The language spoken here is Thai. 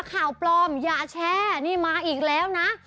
ข่าวปลอมอย่าแชร์นี่มาอีกแล้วนะ